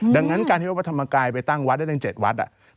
ดังนั้นการที่วัดพระธรรมกายไปตั้งวัดได้ตั้ง๗วัด